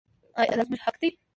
آیا دا زموږ حق دی؟